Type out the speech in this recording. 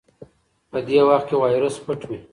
په دې وخت کې وایرس پټ وي.